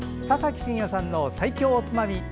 田崎真也さんの最強おつまみ。